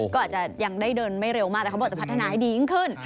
ก็อาจจะยังได้เดินไม่เร็วมากแต่เขาบอกจะพัฒนาให้ดียิ่งขึ้น